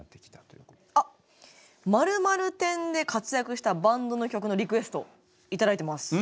あ「○○天」で活躍したバンドの曲のリクエストを頂いてます。